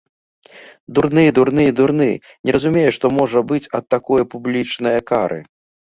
Дурны, дурны і дурны, не разумееш, што можа быць ад такое публічнае кары.